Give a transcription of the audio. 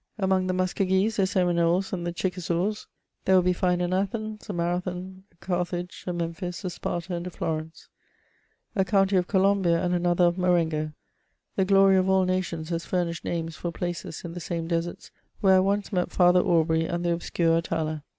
Among the Muskogees, the Seminoles, and the Chickasawsy there will be found an Athens, a Marathon, a Carthi^;e, a Mem phis, a Sparta, and a Florence ; a county of Colombia, and an other of Marengo : the glory of all nations has furnished names for places in t& same deserts where I once met Father Aubry and the obscure Atala.